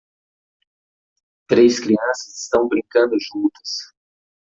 Três crianças estão brincando juntas